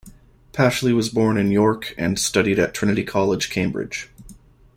Pashley was born in York and studied at Trinity College, Cambridge.